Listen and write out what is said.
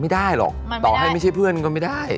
ไม่ได้หรอกต่อให้ไม่ใช่เพื่อนก็ไม่ได้